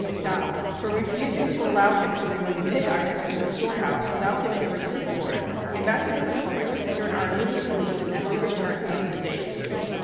McDonald, for refusing to allow him to remove pig iron from the storehouse without giving a receipt for it. Ambassador McCormick secured our immediate release, and we returned to the States.